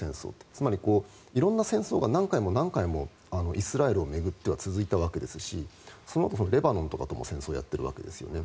つまり、色んな戦争が何回も何回もイスラエルを巡っては続いたわけですしそのあと、レバノンとかとも戦争をやっているわけですよね。